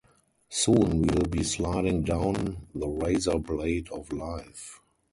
Soon we'll be sliding down the razor blade of life.